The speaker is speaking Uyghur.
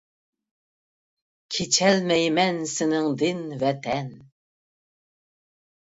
كېچەلمەيمەن سېنىڭدىن ۋەتەن!